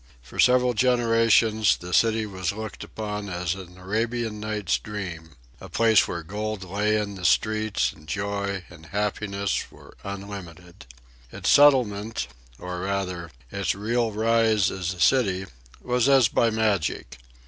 For several generations the city was looked upon as an Arabian Night's dream a place where gold lay in the streets and joy and happiness were unlimited. Its settlement, or, rather, its real rise as a city, was as by magic.